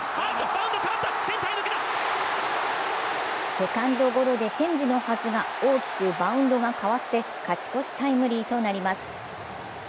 セカンドゴロでチェンジのはずが大きくバウンドが変わって勝ち越しタイムリーとなります。